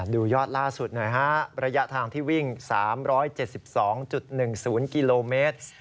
ดูยอดล่าสุดหน่อยฮะระยะทางที่วิ่ง๓๗๒๑๐กิโลเมตร